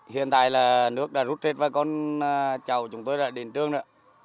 hiện tại là nước đã rút hết và con cháu chúng tôi đã đến trường rồi ạ